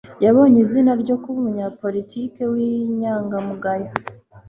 yabonye izina ryo kuba umunyapolitiki w'inyangamugayo